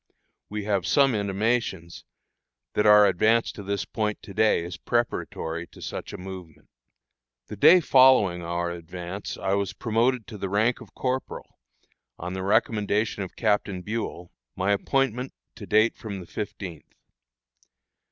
We have some intimations that our advance to this point to day is preparatory to such a movement. The day following our advance I was promoted to the rank of corporal, on the recommendation of Captain Buel, my appointment to date from the fifteenth.